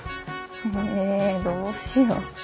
えどうしよ。